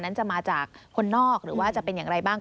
นั้นจะมาจากคนนอกหรือว่าจะเป็นอย่างไรบ้าง